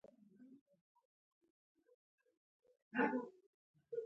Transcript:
له خدای پاک نه وغواړه چې وروسته خیر پېښ کړي.